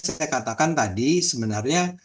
itulah makanya saya katakan tadi sebenarnya